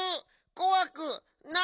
こわくないよ！